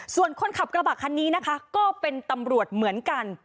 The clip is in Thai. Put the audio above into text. ส่วนคนขับกระบะคันนี้นะคะก็เป็นตำรวจเหมือนกัน